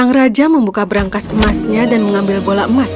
sang raja membuka berangkas emasnya dan mengambil bola emas